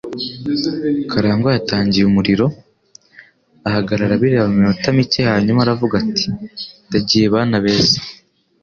Karangwa yatangiye umuriro, ahagarara abireba mu minota mike hanyuma aravuga ati: "Ndagiye, bana beza."